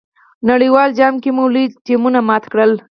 نړیوال جام کې مو لوی ټیمونه مات کړل.